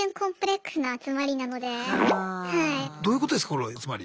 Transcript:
どういうことですかこれはつまり。